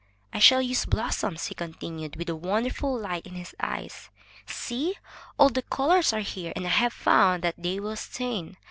"I shall use blossoms," he continued, with a wonderful light in his eyes. "See, all the colors are here, and I have found that they will stain.